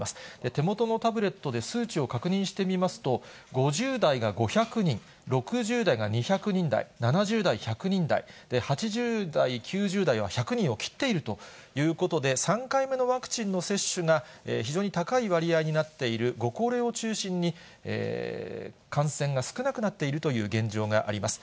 手元のタブレットで数値を確認してみますと、５０代が５００人、６０代が２００人台、７０代１００人台、８０代、９０代は１００人を切っているということで、３回目のワクチンの接種が非常に高い割合になっているご高齢を中心に、感染が少なくなっているという現状があります。